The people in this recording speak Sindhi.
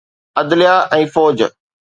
عدليه ۽ فوج.